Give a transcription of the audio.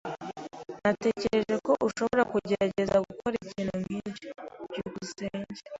Natekereje ko ushobora kugerageza gukora ikintu nkicyo. byukusenge